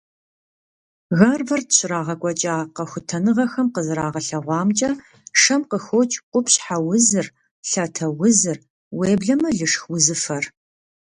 Гарвард щрагъэкӀуэкӀа къэхутэныгъэхэм къызэрагъэлъэгъуамкӀэ, шэм къыхокӀ къупщхьэ узыр, лъатэ узыр, уеблэмэ лышх узыфэр.